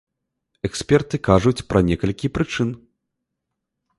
Эксперты кажуць пра некалькі прычын.